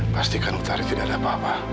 pastikan pencarian tidak ada apa apa